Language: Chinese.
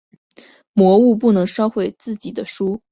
魔物不能烧毁自己的书。